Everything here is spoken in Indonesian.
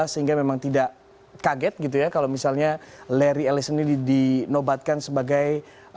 sehingga memang tidak kaget gitu ya kalau misalnya larry ellison ini dinobatkan sebagai